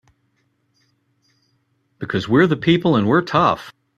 Because we're the people and we're tough!